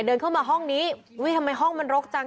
เดินเข้ามาห้องนี้อุ้ยทำไมห้องมันรกจัง